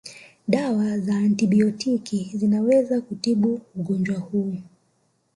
Dawa za antibiotiki zinaweza kutibu ugonjwa huu